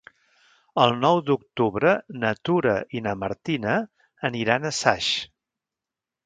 El nou d'octubre na Tura i na Martina aniran a Saix.